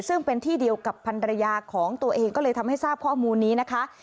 ซึ่งเป็นที่เดียวกับพันรยาของตัวเองก็เลยทำให้ทราบข้อมูลนี้นะคะ